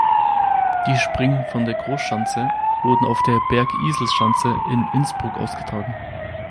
Die Springen von der Großschanze wurden auf der Bergiselschanze in Innsbruck ausgetragen.